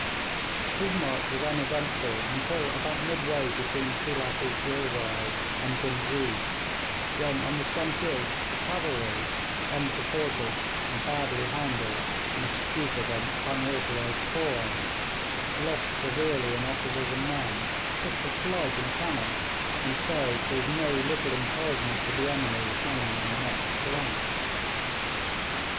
His march was uneventful until about midway between Khelat i Ghilzai and Ghuznee, when on the 28th the cavalry, unsupported and badly handled in a stupid and unauthorised foray, lost severely in officers and men, took to flight in panic, and so gave no little encouragement to the enemy hanging on Nott's flank.